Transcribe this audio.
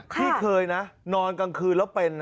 ที่เคยนะนอนกลางคืนแล้วเป็น